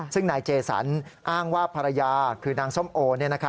ซึ่งนายเจสันอ้างว่าภรรยาคือนางส้มโอ